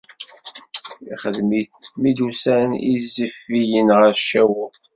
Ixdem-it mi d-usan Izifiyen ɣer Cawul.